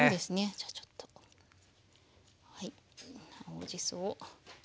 じゃあちょっとはい青じそを。